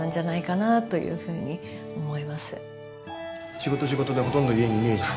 仕事でほとんど家にいねえじゃん